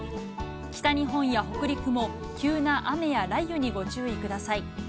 北日本や北陸も、急な雨や雷雨にご注意ください。